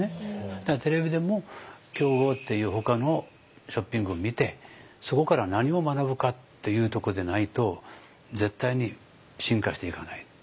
だからテレビでも競合っていうほかのショッピングを見てそこから何を学ぶかっていうとこでないと絶対に進化していかない。